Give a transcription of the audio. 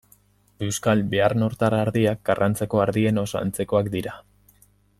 Euskal-bearnotar ardiak Karrantzako ardien oso antzekoak dira.